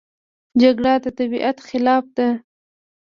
جګړه د طبیعت خلاف ده